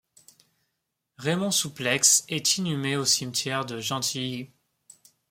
Raymond Souplex est inhumé au cimetière de Gentilly.